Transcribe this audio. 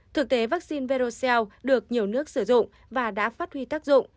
thực tế vaccine verocell được nhiều nước sử dụng và đã phát huy tác dụng